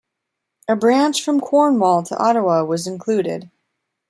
A branch from Cornwall to Ottawa was included.